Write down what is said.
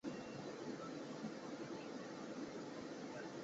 了凡四训正是袁要给儿子的训示。